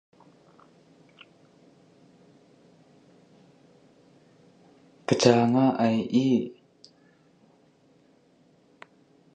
It certainly would make a nice new kind of pet.